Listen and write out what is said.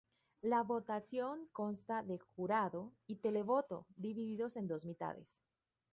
La votación consta de jurado y televoto, divididos en dos mitades.